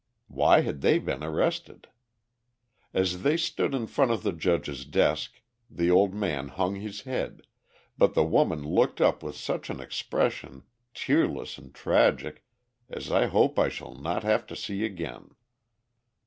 Why had they been arrested? As they stood in front of the judge's desk, the old man hung his head, but the woman looked up with such an expression, tearless and tragic, as I hope I shall not have to see again.